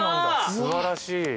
素晴らしい。